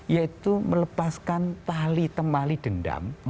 yaitu melepaskan tali temali dendam